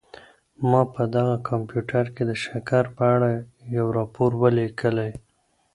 ما په دغه کمپیوټر کي د شکر په اړه یو راپور ولیکلی.